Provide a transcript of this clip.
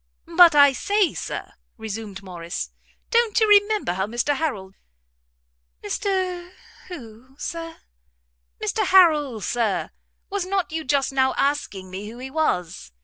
"But I say, Sir," resumed Morrice, "don't you remember how Mr Harrel" "Mr who, Sir?" "Mr Harrel, Sir; was not you just now asking me who he was?"